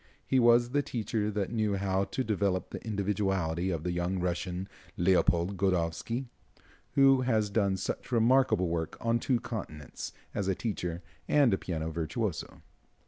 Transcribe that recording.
He was the teacher that knew how to develop the individuality of the young Russian, Leopold Godowsky, who has done such remarkable work on two continents, as a teacher and piano virtuoso.